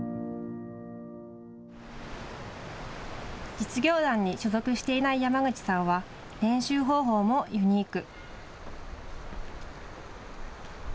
実業団に所属していない山口さんは練習方法もユニーク。